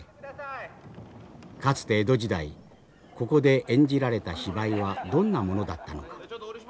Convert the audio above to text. かつて江戸時代ここで演じられた芝居はどんなものだったのか。